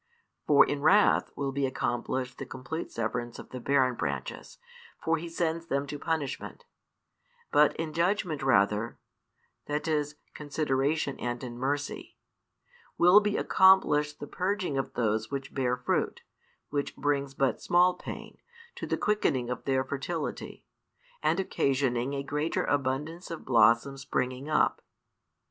For in wrath will be accomplished the complete severance of the barren branches, for He sends them to punishment; but in judgment rather that is, consideration and in mercy will be accomplished the purging of those which bear fruit, which brings but small pain, to the quickening of their fertility, and occasioning a greater abundance of blossom springing up.